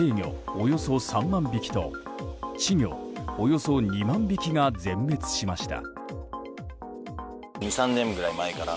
およそ３万匹と稚魚およそ２万匹が全滅しました。